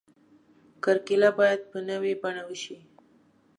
کرکیله باید په نوې بڼه وشي.